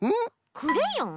クレヨン？